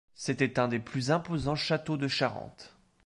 C'était un des plus imposants châteaux de Charente.